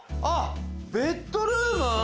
あっベッドルーム？